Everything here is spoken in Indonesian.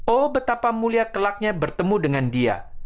oh betapa mulia kelaknya bertemu dengan dia